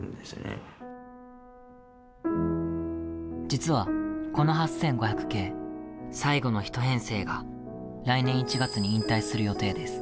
実は、この８５００系最後の１編成が来年１月に引退する予定です。